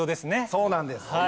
そうなんです。